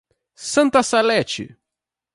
Santa Salete